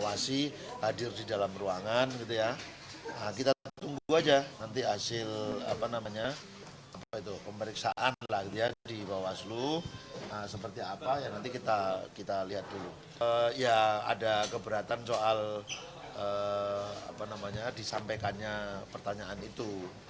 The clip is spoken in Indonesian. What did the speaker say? ada keberatan soal disampaikannya pertanyaan itu